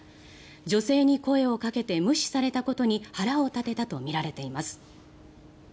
女性に声をかけて無視されたことに腹を立てたとみられています。